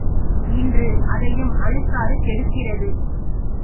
இன்று அதையும் அழுக்காறு கெடுக்கிறது.